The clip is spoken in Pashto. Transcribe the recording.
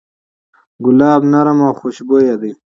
ګلاب نرم او خوشبویه دی.